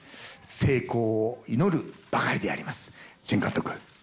成功を祈るばかりであります。